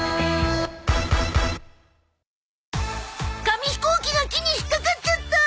紙飛行機が木に引っかかっちゃった！